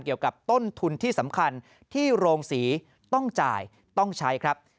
เกี่ยวกับต้นทุนที่สำคัญที่โรงศรีต้องจ่ายต้องใช้ครับ